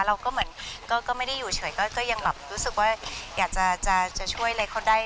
เราก็เหมือนก็ไม่ได้อยู่เฉยก็ยังแบบรู้สึกว่าอยากจะช่วยอะไรเขาได้